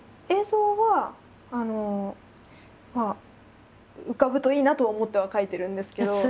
映像は浮かぶといいなとは思っては書いてるんですけど。